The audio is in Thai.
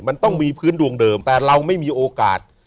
มันต้องมีพื้นดวงเดิมแต่เราไม่มีโอกาส